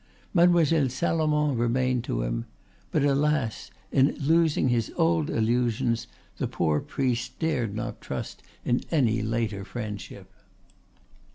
Mademoiselle Salomon remained to him. But, alas, in losing his old illusions the poor priest dared not trust in any later friendship.